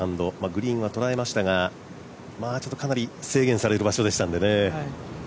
グリーンは捉えましたがかなり制限される場所でしたのでね。